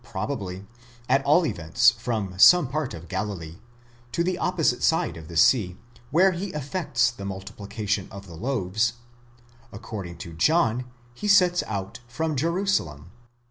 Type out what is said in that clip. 279 probably, at all events from some part of Galilee, to the opposite side of the sea, where he effects the multiplication of the loaves ; according to John he sets out from Jerusalem.